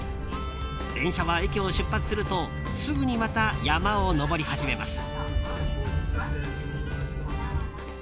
電車は駅を出発するとすぐにまた山を登り始めます。